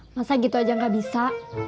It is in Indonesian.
masa gitu aja gak bisa